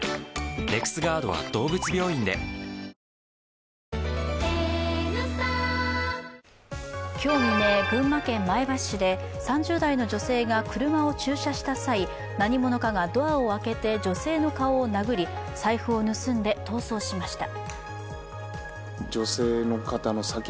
かくもんいくもん今日未明、群馬県前橋市で３０代の女性が車を駐車した際、何者かがドアを開けて女性の顔を殴り、財布を盗んで逃走しました。